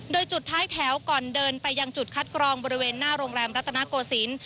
โดยจุดท้ายแถวก่อนเดินไปยังจุดคัดกรองบริเวณหน้าโรงแรมรัตนโกศิลป์